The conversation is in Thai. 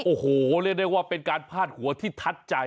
โอ้โหเรียกได้ว่าเป็นการพาดหัวที่ทัดใจ